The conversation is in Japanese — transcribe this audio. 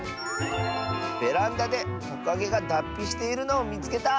「ベランダでトカゲがだっぴしているのをみつけた！」。